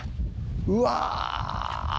うわ！